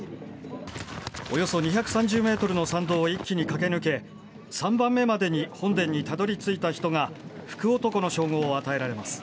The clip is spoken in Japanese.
およそ２３０メートルの参道を一気に駆け抜け、３番目までに本殿にたどりついた人が、福男の称号を与えられます。